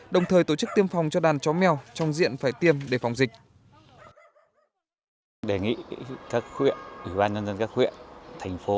đồng thời tổ chức tiêm phòng cho đàn chó mèo trong diện phải tiêm để phòng dịch